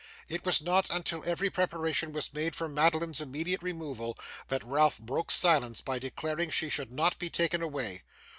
It was not until every preparation was made for Madeline's immediate removal that Ralph broke silence by declaring she should not be taken away.